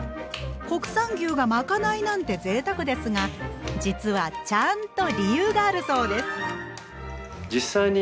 国産牛がまかないなんてぜいたくですが実はちゃんと理由があるそうです。